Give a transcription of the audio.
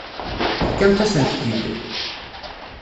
Tefkamt-asent-t-id.